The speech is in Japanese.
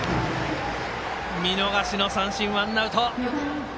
見逃しの三振、ワンアウト。